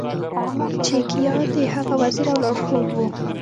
چാണکیا د هغه وزیر او لارښود و.